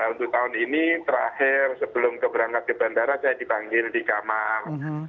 untuk tahun ini terakhir sebelum keberangkat ke bandara saya dipanggil di kamar